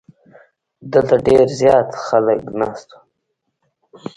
دلته ډیر زیات خلک ناست وو.